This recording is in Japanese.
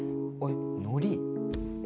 のり。